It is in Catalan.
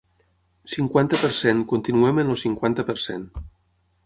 Cinquanta per cent Continuem en el cinquanta per cent.